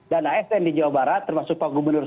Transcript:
dana sdn di jawa barat termasuk pak gubernur